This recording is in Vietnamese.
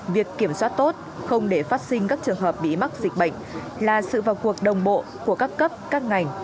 việc kiểm soát tốt không để phát sinh các trường hợp bị mắc dịch bệnh là sự vào cuộc đồng bộ của các cấp các ngành